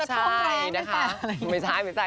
ใช่ไม่ใช่ไม่ใช่